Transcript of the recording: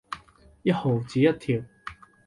一毫子一條